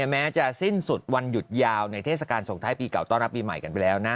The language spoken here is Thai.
แม้จะสิ้นสุดวันหยุดยาวในเทศกาลส่งท้ายปีเก่าต้อนรับปีใหม่กันไปแล้วนะ